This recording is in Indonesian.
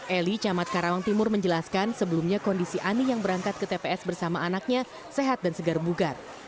eli camat karawang timur menjelaskan sebelumnya kondisi ani yang berangkat ke tps bersama anaknya sehat dan segar bugar